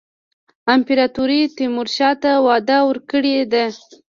امپراطور تیمورشاه ته وعده ورکړې ده.